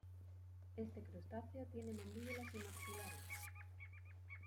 Este crustáceo tiene mandíbulas y maxilares.